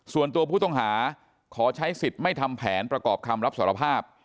ส่วนตัวผู้ต้องหาขอใช้สิทธิ์ไม่ทำแผนประกอบคำรับสารภาพ